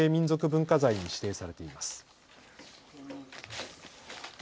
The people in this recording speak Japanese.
文化財に指定されています。